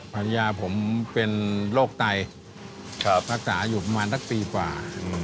ภรรยาผมเป็นโรคไตรักษาอยู่ประมาณสักปีกว่า